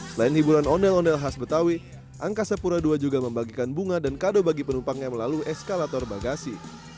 selain hiburan ondel ondel khas betawi angkasa pura ii juga membagikan bunga dan kado bagi penumpangnya melalui eskalator bagasi